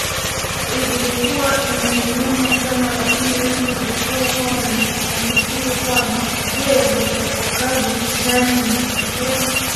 ilikuwa inaniuma sana Lakini yote ilikuwa kwamba nafikiria kwamba je nitatokaje Nami nitakuwa